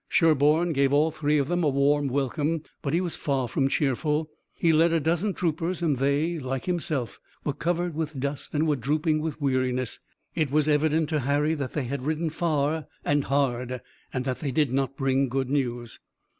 Sherburne gave all three of them a warm welcome, but he was far from cheerful. He led a dozen troopers and they, like himself, were covered with dust and were drooping with weariness. It was evident to Harry that they had ridden far and hard, and that they did not bring good news.